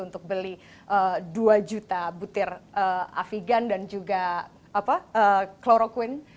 untuk beli dua juta butir afigan dan juga kloroquine